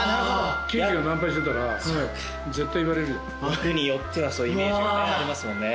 役によってはそういうイメージがねありますもんね。